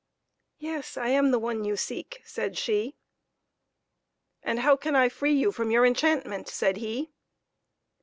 " Yes, I am the one you seek," said she. "And how can I free you from your enchantment?" said he.